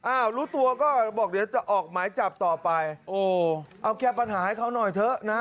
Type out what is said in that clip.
รู้ตัวก็บอกเดี๋ยวจะออกหมายจับต่อไปโอ้เอาแก้ปัญหาให้เขาหน่อยเถอะนะ